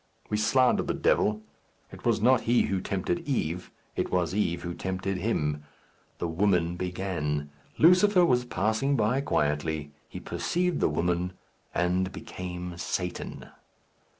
We slander the devil. It was not he who tempted Eve. It was Eve who tempted him. The woman began. Lucifer was passing by quietly. He perceived the woman, and became Satan.